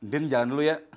din jalan dulu ya